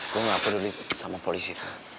gue gak peduli sama polisi